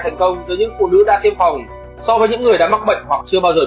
thành công giữa những phụ nữ đã kiêm phòng so với những người đã mắc bệnh hoặc chưa bao giờ bị yếm